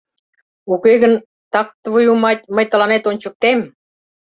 Уке гын, так твою мать, мый тыланет ончыктем!